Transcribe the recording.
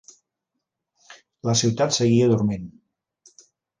La ciutat seguia dormint.